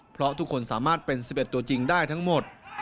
เพราะทุกคนสามารถเป็น๑๑ตัวจริงได้ทั้งหมด